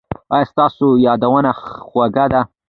ایا ستاسو یادونه خوږه ده؟